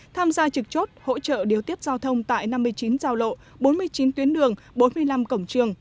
tham gia trực chốt hỗ trợ điều tiết giao thông tại năm mươi chín giao lộ bốn mươi chín tuyến đường bốn mươi năm cổng trường